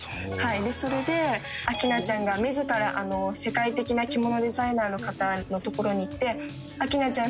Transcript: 「それで明菜ちゃんが自ら世界的な着物デザイナーの方のところに行って明菜ちゃん